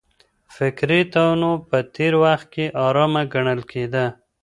فکري تنوع په تېر وخت کي حرامه ګڼل کېده.